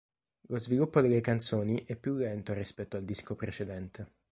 Lo sviluppo delle canzoni è più lento rispetto al disco precedente.